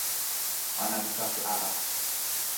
ona li toki ala